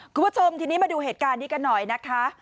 คุณผู้ชมทีนี้มาดูเหตุการณ์นี้กันหน่อยนะคะ